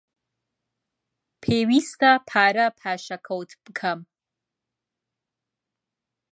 پێویستە پارە پاشەکەوت بکەم.